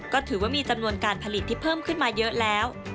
ก็ถือว่ามีจำนวนการผลิตที่เพิ่มขึ้นมาเยอะแล้ว